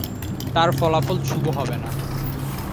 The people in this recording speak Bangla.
তার ফলাফল শুভ হবে না।